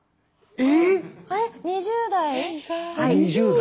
えっ２０代？